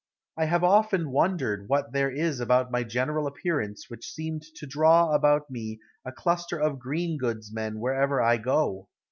I have often wondered what there is about my general appearance which seemed to draw about me a cluster of green goods men wherever I go.